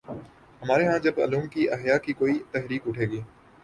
ہمارے ہاں جب علوم کے احیا کی کوئی تحریک اٹھے گی۔